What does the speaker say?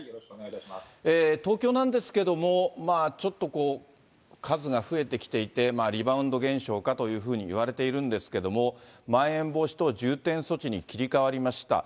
東京なんですけれども、ちょっとこう、数が増えてきていて、リバウンド現象かというふうにいわれているんですけれども、まん延防止等重点措置に切り替わりました。